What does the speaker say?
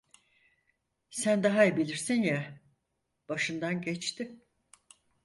Sen daha iyi bilirsin ya, başından geçti…